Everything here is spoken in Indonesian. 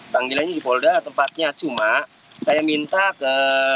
panggilannya di polda tempatnya cuma saya minta ke